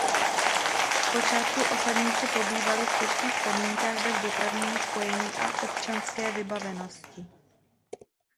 Zpočátku osadníci pobývali v těžkých podmínkách bez dopravního spojení a občanské vybavenosti.